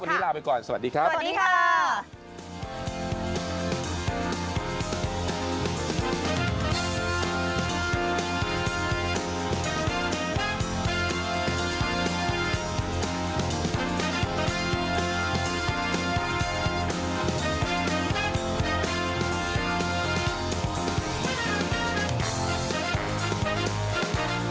วันนี้ลาไปก่อนสวัสดีครับสวัสดีค่ะ